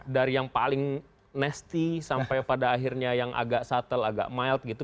dari yang paling nesty sampai pada akhirnya yang agak suttle agak mild gitu